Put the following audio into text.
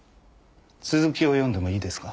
続きを読んでもいいですか？